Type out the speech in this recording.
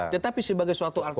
tetapi sebagai suatu alternatif